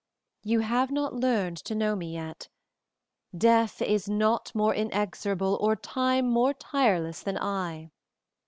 "You have not learned to know me yet; death is not more inexorable or time more tireless than I.